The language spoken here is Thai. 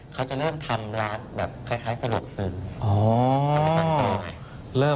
เขาจะเริ่มทำร้านแบบคล้ายสะดวกซึม